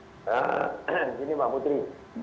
nah gini mbak putri